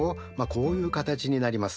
こういう形になります。